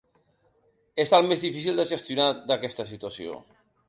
És el més difícil de gestionar d’aquesta situació.